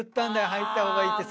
入った方がいいって。